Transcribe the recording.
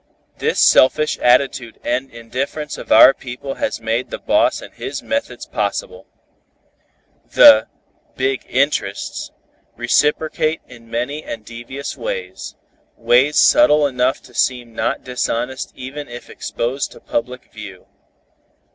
This selfish attitude and indifference of our people has made the boss and his methods possible. The "big interests" reciprocate in many and devious ways, ways subtle enough to seem not dishonest even if exposed to public view.